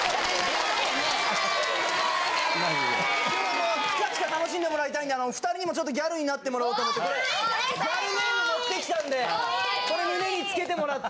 今日はもうチカチカ楽しんでもらいたいんで２人にもギャルになってもらおうと思ってこれギャルネーム持ってきたんでこれ胸に付けてもらって。